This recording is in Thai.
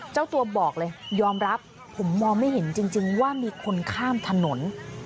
เจ้าตัวบอกเลยยอมรับผมมองไม่เห็นจริงว่ามีคนข้ามถนน